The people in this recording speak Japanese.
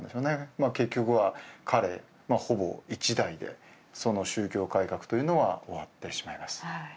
まあ結局は彼ほぼ一代でその宗教改革というのは終わってしまいます